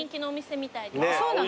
そうなの？